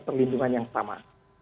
perlindungan yang sama